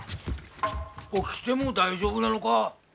起きても大丈夫なのか？